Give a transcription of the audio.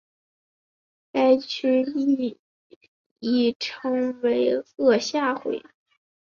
该区域亦称为额下回。